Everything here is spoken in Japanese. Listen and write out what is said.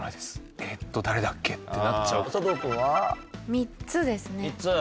３つですね。